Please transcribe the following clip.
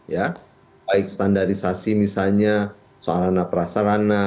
ya baik standarisasi misalnya soal rana prasarana